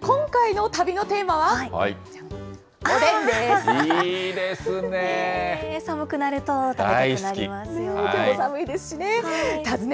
今回の旅のテーマは、いいですね。